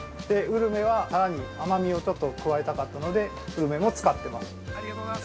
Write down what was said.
ウルメは、さらに甘味をちょっと加えたかったので、ウルメも使ってます。